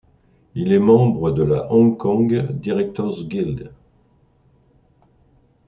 Il est membre de la Hong Kong Directors' Guild.